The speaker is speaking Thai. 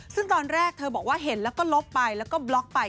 ซึ่งตอนแรกเธอบอกว่าเห็นแล้วก็ลบไปแล้วก็บล็อกไป